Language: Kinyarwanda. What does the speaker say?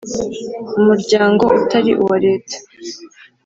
umuryango utari uwa Leta